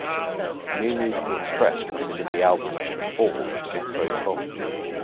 "New Musical Express" considered the album as "the fall" of Jethro Tull.